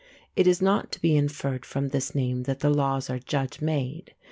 It is not to be inferred from this name that the laws are judge made.